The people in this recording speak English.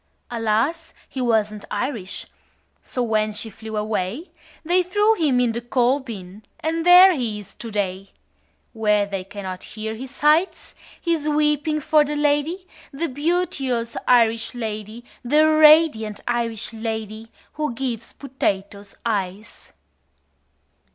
Alas, he wasn't Irish. So when she flew away, They threw him in the coal bin And there he is to day, Where they cannot hear his sighs His weeping for the lady, The beauteous Irish lady, The radiant Irish lady Who gives potatoes eyes."